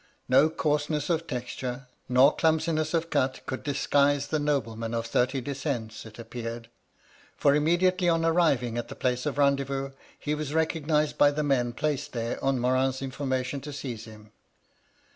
No coarseness of texture, nor clumsiness of cut could disguise the nobleman of thirty descents, it appeared ; for immediately on arriving at the place of rendezvous, he was recognised by the men placed there on Morin's information to seize him.